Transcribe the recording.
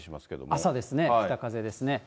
朝ですね、北風ですけど。